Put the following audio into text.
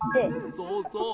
そうそう。